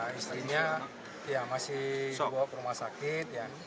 ya istrinya ya masih dibawa ke rumah sakit